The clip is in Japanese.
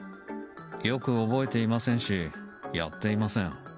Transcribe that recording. よく覚えていませんしやっていません。